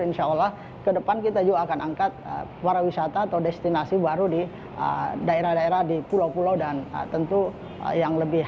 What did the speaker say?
insya allah ke depan kita juga akan angkat para wisata atau destinasi baru di daerah daerah di pulau pulau dan tentu yang lebih